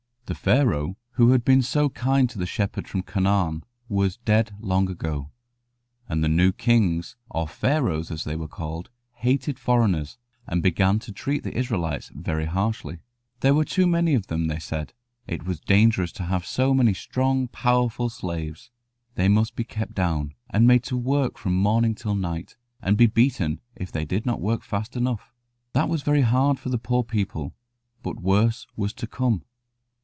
The Pharaoh who had been so kind to the shepherds from Canaan was dead long ago, and the new kings, or Pharaohs as they were called, hated foreigners, and began to treat the Israelites very harshly. There were too many of them, they said; it was dangerous to have so many strong, powerful slaves. They must be kept down, and made to work from morning till night, and be beaten if they did not work fast enough. That was very hard for the poor people; but worse was to come.